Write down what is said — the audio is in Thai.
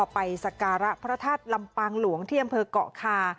ไปสการะพระธาตุลำปางหลวงที่อำเภอกเกาะคา